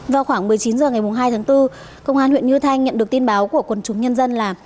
vào khoảng một mươi chín h ngày hai tháng bốn công an huyện như thanh nhận được tin báo của quần chúng nhân dân là